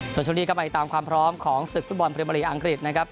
สวัสดีครับมาติดตามความพร้อมของศึกฝุ่นบอลปริมาลีอังกฤษนะครับ